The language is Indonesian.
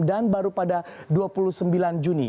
dan baru pada dua puluh sembilan juni